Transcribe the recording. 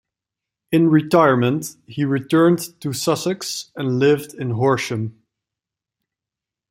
In retirement, he returned to Sussex and lived in Horsham.